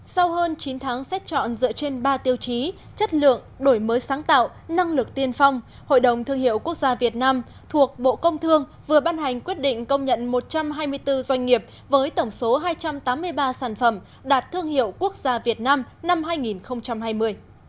sau hơn chín tháng xét chọn dựa trên ba tiêu chí chất lượng đổi mới sáng tạo năng lực tiên phong hội đồng thương hiệu quốc gia việt nam thuộc bộ công thương vừa ban hành quyết định công nhận một trăm hai mươi bốn doanh nghiệp với tổng số hai trăm tám mươi ba sản phẩm đạt thương hiệu quốc gia việt nam năm hai nghìn hai mươi